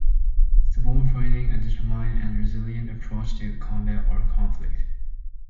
A stubborn fighting - a determined and resilient approach to combat or conflict.